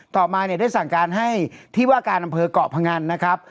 ต่อมาเนี่ยได้สั่งการให้ที่ว่าการอำเภอกเกาะพงันนะครับ